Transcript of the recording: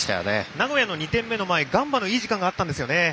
名古屋の２点目の前にはガンバのいい時間帯があったんですよね。